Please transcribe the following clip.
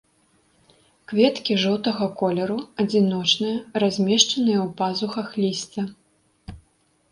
Кветкі жоўтага колеру, адзіночныя, размешчаныя ў пазухах лісця.